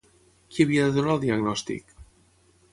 Qui havia de donar el diagnòstic?